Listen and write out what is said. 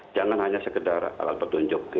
jangan hanya sekedar alat petunjuk